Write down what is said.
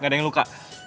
gak ada yang luka